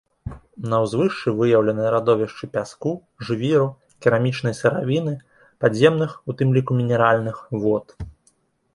На ўзвышшы выяўлены радовішчы пяску, жвіру, керамічнай сыравіны, падземных, у тым ліку мінеральных вод.